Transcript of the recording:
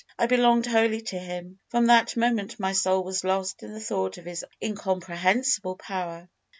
I belonged wholly to Him. From that moment my soul was lost in the thought of His incomprehensible power.